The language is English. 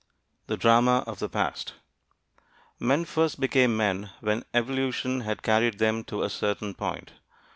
THE DRAMA OF THE PAST Men first became men when evolution had carried them to a certain point.